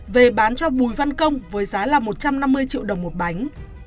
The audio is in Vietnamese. về bán cho bùi văn công với giá là một trăm năm mươi triệu đồng một bánh